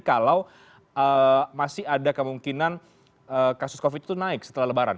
kalau masih ada kemungkinan kasus covid itu naik setelah lebaran